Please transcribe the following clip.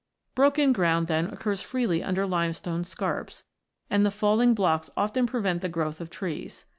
Broken ground, then, occurs freely under limestone scarps, and the falling blocks often prevent the growth of trees.